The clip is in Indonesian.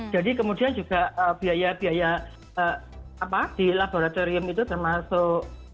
jadi kemudian juga biaya biaya di laboratorium itu termasuk